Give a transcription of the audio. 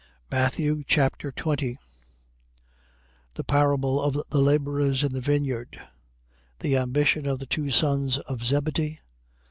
Matthew Chapter 20 The parable of the labourers in the vineyard. The ambition of the two sons of Zebedee.